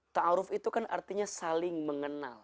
ta'aruf itu kan artinya saling mengenal